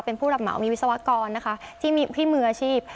เป็นผู้รับเหมามีวิศวกรนะคะที่มีพี่มืออาชีพ